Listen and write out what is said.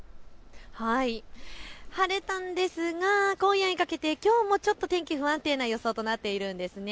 晴れたんですが今夜にかけてきょうもちょっと天気、不安定な予想となっているんです。